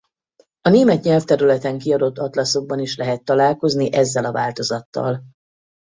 A német nyelvterületen kiadott atlaszokban is lehet találkozni ezzel a változattal.